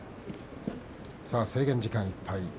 制限時間いっぱい。